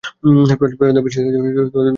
প্রচণ্ড বৃষ্টিতে দুজনেই ভিজে জবজব।